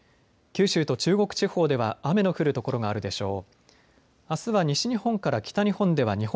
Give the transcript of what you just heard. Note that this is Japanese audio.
九州と中国地方では雨の降る所があるでしょう。